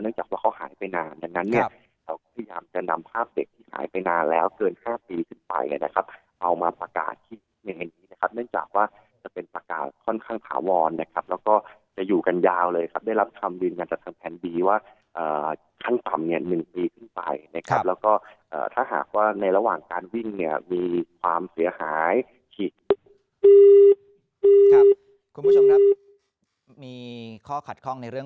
จากว่าเขาหายไปนานดังนั้นเนี่ยเราก็พยายามจะนำภาพเด็กที่หายไปนานแล้วเกิน๕ปีขึ้นไปนะครับเอามาประกาศที่แห่งนี้นะครับเนื่องจากว่าจะเป็นประกาศค่อนข้างถาวรนะครับแล้วก็จะอยู่กันยาวเลยครับได้รับคำยืนยันจากทางแผนดีว่าขั้นต่ำเนี่ย๑ปีขึ้นไปนะครับแล้วก็ถ้าหากว่าในระหว่างการวิ่งเนี่ยมีความเสียหายฉีกครับคุณผู้ชมครับมีข้อขัดข้องในเรื่อง